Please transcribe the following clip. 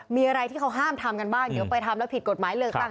มีอะไรที่เขาห้ามทำกันบ้างเดี๋ยวไปทำแล้วผิดกฎหมายเลือกตั้ง